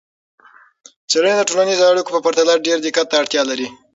څیړنې د ټولنیزو اړیکو په پرتله ډیر دقت ته اړتیا لري.